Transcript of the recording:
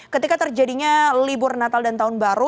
ketika terjadinya libur natal dan tahun baru